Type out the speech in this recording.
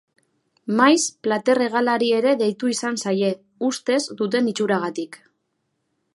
Maiz plater hegalari ere deitu izan zaie, ustez duten itxuragatik.